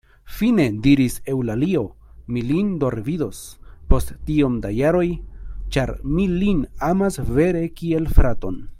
Fine, diris Eŭlalio, mi lin do revidos, post tiom da jaroj; ĉar mi lin amas vere kiel fraton.